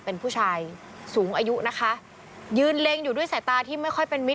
มีชายเสื้อสีซองค่ะโอ้โห